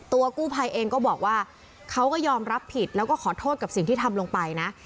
กู้ภัยเองก็บอกว่าเขาก็ยอมรับผิดแล้วก็ขอโทษกับสิ่งที่ทำลงไปนะ